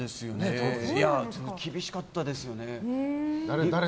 当時、厳しかったですよね。